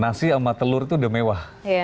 nasi sama telur itu udah mewah